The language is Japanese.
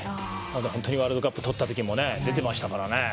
本当にワールドカップ取った時も出てましたからね。